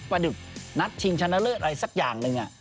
ดึกนัดชิงชนะเลิศอะไรสักอย่างหนึ่ง